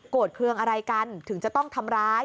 เครื่องอะไรกันถึงจะต้องทำร้าย